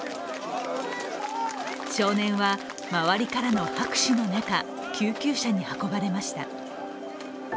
少年は周りからの拍手の中、救急車に運ばれました。